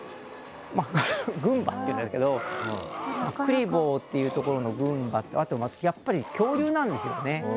グンバっていうんですけどクリボーっていうところのグンバとあとやっぱり恐竜なんですよね。